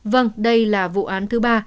vâng đây là vụ án thứ ba